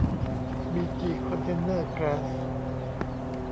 บีจี คอนเทนเนอร์ กล๊าส